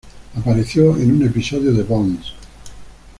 Apareció en un episodio de "Bones".